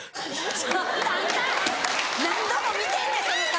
何度も見てんねんその顔！